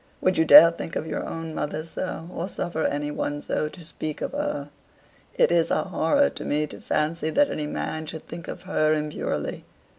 Would you dare think of your own mother so, or suffer any one so to speak of her? It is a horror to me to fancy that any man should think of her impurely.